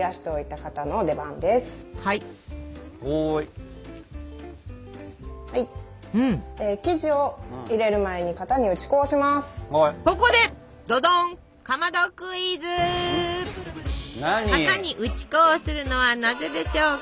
型に打ち粉をするのはなぜでしょうか？